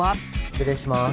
失礼します。